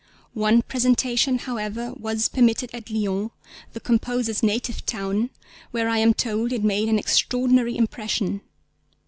One presentation, however, was permitted at Lyons, the composer's native town, where I am told it made an extraordinary impression.